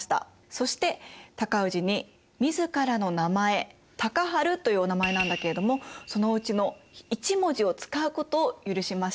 そして高氏に自らの名前尊治というお名前なんだけれどもそのうちの１文字を使うことを許しました。